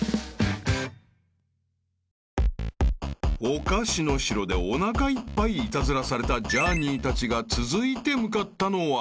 ［お菓子の城でおなかいっぱいイタズラされたジャーニーたちが続いて向かったのは］